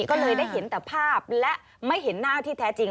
ก็เลยได้เห็นแต่ภาพและไม่เห็นหน้าที่แท้จริง